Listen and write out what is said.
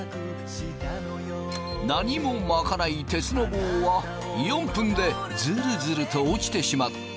何も巻かない鉄の棒は４分でずるずると落ちてしまった。